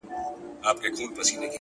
• دا وینا یې په څو څو ځله کوله ,